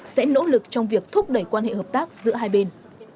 có lực trong việc thúc đẩy quan hệ hợp tác giữa hai bên